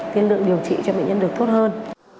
tiên lượng điều trị cho bệnh nhân được tốt hơn